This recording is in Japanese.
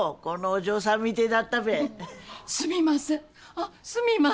あっすみません」